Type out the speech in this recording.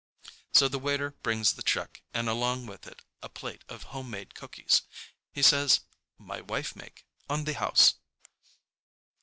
So the waiter brings the check and along with it a plate of homemade cookies. He says, "My wife make. On the house."